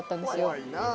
怖いなぁ。